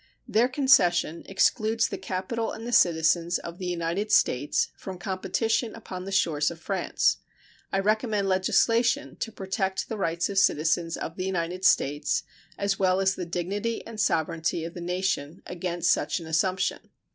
Their concession excludes the capital and the citizens of the United States from competition upon the shores of France. I recommend legislation to protect the rights of citizens of the United States, as well as the dignity and sovereignty of the nation, against such an assumption.